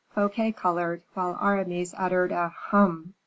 Fouquet colored, while Aramis uttered a "Hum!"